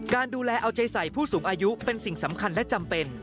การดูแลเอาใจใส่ผู้สูงอายุเป็นสิ่งสำคัญและจำเป็น